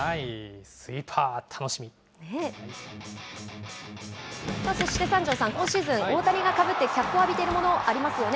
スイーパー、そして三條さん、今シーズン、大谷がかぶって、脚光を浴びているもの、ありますよね。